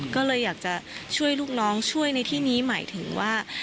ก็เลยอยากจะช่วยลูกน้องช่วยในที่นี้หมายถึงว่า